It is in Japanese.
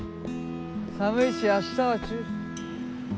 寒いし明日は中止。